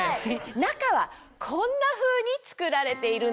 中はこんなふうに作られているんです。